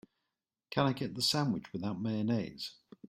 Can I get the sandwich without mayonnaise?